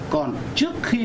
còn trước khi